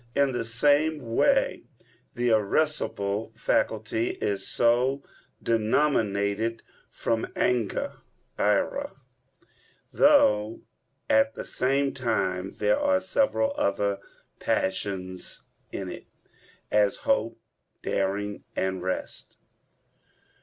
In the same way the irascible faculty is so denominated from anger [ira]; though at the same time there are several other passions in it, as hope, daring, and the rest.